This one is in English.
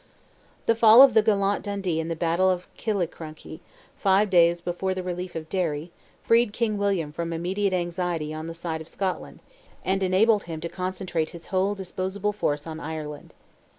The fall of the gallant Dundee in the battle of Killicrankie, five days before the relief of Derry, freed King William from immediate anxiety on the side of Scotland, and enabled him to concentrate his whole disposable force on Ireland.